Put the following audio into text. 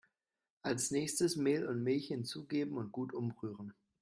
Als nächstes Mehl und Milch hinzugeben und gut umrühren.